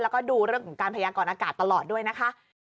แล้วก็ดูเรื่องของการพยากรอากาศตลอดด้วยนะคะ